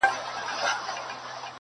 لا ښځه پارلمان ته